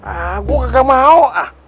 ah gue kagak mau ah